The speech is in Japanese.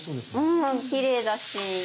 うんきれいだし。